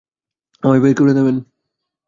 আমায় বের করে দেবেন?